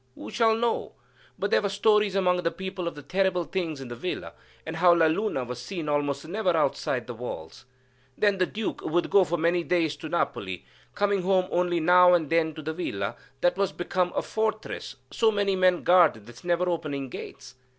Who shall know? But there were stories among the people of terrible things in the villa, and how La Luna was seen almost never outside the walls. Then the Duke would go for many days to Napoli, coming home only now and then to the villa that was become a fortress, so many men guarded its never opening gates.